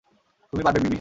তুমি পারবে মিমি।